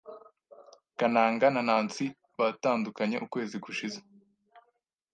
Kananga na Nancy batandukanye ukwezi gushize.